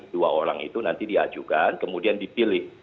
dua orang itu nanti diajukan kemudian dipilih